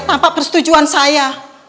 tanpa persetujuan saya